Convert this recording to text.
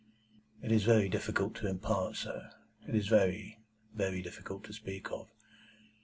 "It is very difficult to impart, sir. It is very, very difficult to speak of.